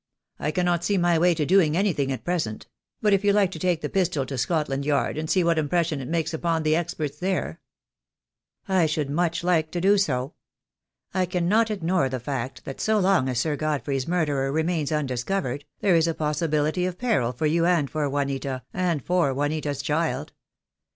I cannot see my way to doing any thing at present; but if you like to take the pistol to I 70 THE DAY WILL COME. Scotland Yard and see what impression it makes upon the experts there " "I should much like to do so. I cannot ignore the fact that so long as Sir Godfrey's murderer remains un discovered, there is a possibility of peril for you and for Juanita, and for Juanita's child.